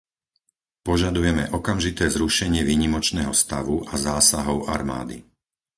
Požadujeme okamžité zrušenie výnimočného stavu a zásahov armády.